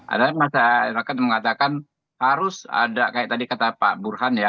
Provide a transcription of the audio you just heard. ada masyarakat mengatakan harus ada kayak tadi kata pak burhan ya